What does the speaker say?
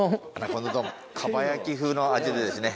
蒲焼き風の味でですね。